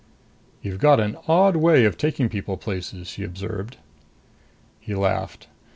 "You've got an odd way of taking people places," she observed. He laughed.